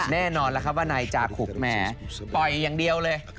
แน่นอนแล้วครับว่านายจาคุกแหมปล่อยอย่างเดียวเลย